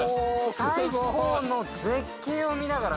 最高の絶景を見ながら。